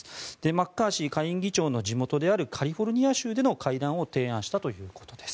マッカーシーの地元であるカリフォルニア州での会談を提案したということです。